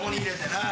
なあ。